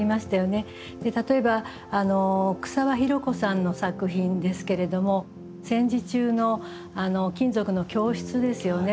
例えば草場弘子さんの作品ですけれども戦時中の金属の供出ですよね。